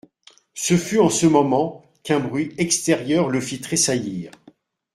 Ce fut en ce moment qu'un bruit extérieur le fit tressaillir.